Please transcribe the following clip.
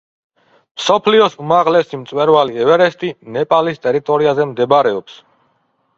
მსოფლიოს უმაღლესი მწვერვალი ევერესტი ნეპალის ტერიტორიაზე მდებარეობს.